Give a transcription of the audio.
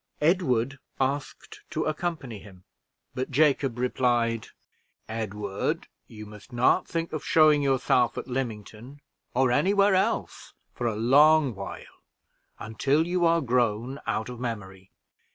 Edward asked to accompany him, but Jacob replied, "Edward, you must not think of showing yourself at Lymington, or any where else, for a long while, until you are grown out of memory.